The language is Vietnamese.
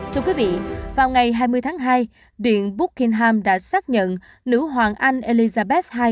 thưa quý vị vào ngày hai mươi tháng hai điện buckingham đã xác nhận nữ hoàng anh elizabeth ii